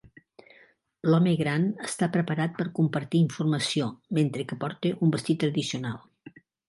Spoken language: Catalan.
L'home gran està preparat per compartir informació mentre que porta un vestit tradicional.